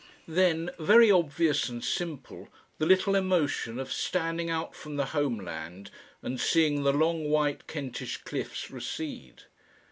Then, very obvious and simple, the little emotion of standing out from the homeland and seeing the long white Kentish cliffs recede.